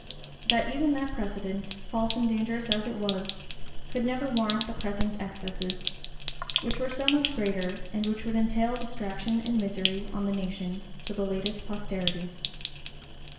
That even that precedent, false and dangerous as it was, could never warrant the present excesses; which were so much greater, and which would entail distraction and misery on the nation, to the latest posterity.